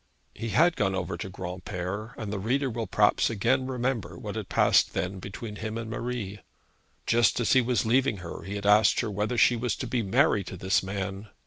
He had gone over to Granpere, and the reader will perhaps again remember what had passed then between him and Marie. Just as he was leaving her he had asked her whether she was to be married to this man.